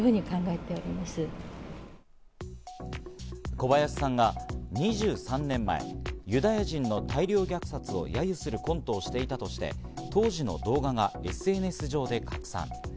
小林さんが２３年前、ユダヤ人の大量虐殺を揶揄するコントをしていたとして、当時の動画がＳＮＳ上で拡散。